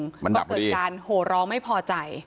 ก็เกิดการโหร้องไม่พอใจ